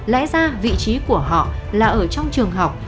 lẽ ra vị trí của họ là ở trong trường học